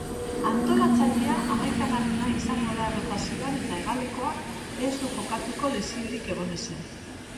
Antolatzailea hamaikagarrena izango da errotazioan eta hegalekoak ez du jokatuko lesiorik egon ezean.